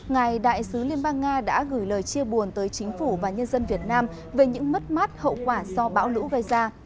ngài đại sứ liên bang nga đã gửi lời chia buồn tới chính phủ và nhân dân việt nam về những mất mát hậu quả do bão lũ gây ra